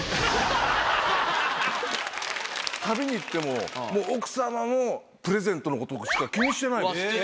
旅に行ってももう奥様のプレゼントのことしか気にしてないです。